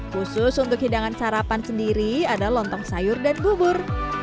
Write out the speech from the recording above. khusus untuk hidangan sarapan sendiri ada lontong sayur dan bubur